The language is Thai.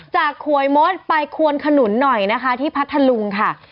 ขวยมดไปควนขนุนหน่อยนะคะที่พัทธลุงค่ะ